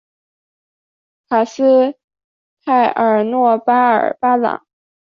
卡斯泰尔诺巴尔巴朗。